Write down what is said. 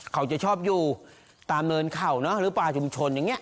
เขาจะชอบอยู่ตามเนินเขาเนอะหรือปลาชุมชนอย่างนี้